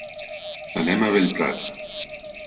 Anem a Bellprat.